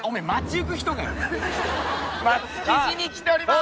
今築地に来ております。